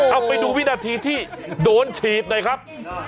เอาไปดูวินาทีที่โดนฉีดหน่อยครับ